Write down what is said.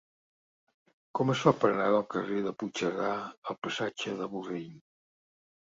Com es fa per anar del carrer de Puigcerdà al passatge de Borrell?